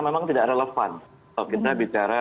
memang tidak relevan kalau kita bicara